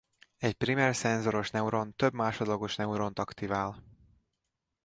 Egy primer szenzoros neuron több másodlagos neuront aktivál.